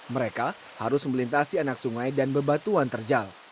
mereka harus melintasi anak sungai dan bebatuan terjal